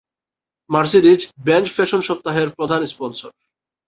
Mercedes-Benz fashion সপ্তাহের প্রধান sponsor.